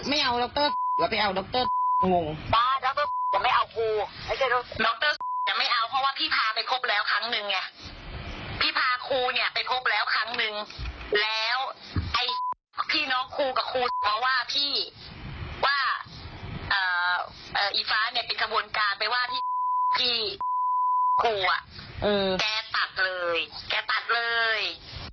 ไปว่าพี่พี่ครูแกตัดเลยแกตัดเลย